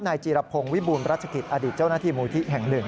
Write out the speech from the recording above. นายจีรพงษ์วิบูรณ์รัชกริตอดิตเจ้าหน้าที่มูลทิแห่ง๑